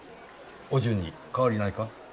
お順に変わりないか？